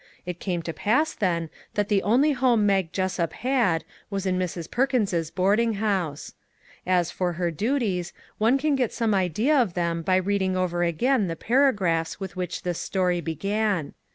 It came to pass, then, that the only home Mag Jessup had, was in Mrs. Perkins's boarding house. As for her duties, one can get some idea of them by reading over again the paragraphs with which '3 MAG AND MARGARET this story began.